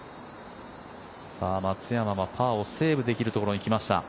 松山はパーをセーブできるところに来ました。